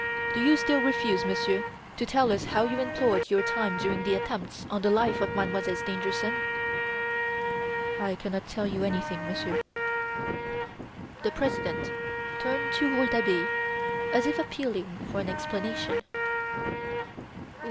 "Do you still refuse, Monsieur, to tell us how you employeeed your time during the attempts on the life of Mademoiselle Stangerson?" "I cannot tell you anything, Monsieur." The President turned to Rouletabille as if appealing for an explanation.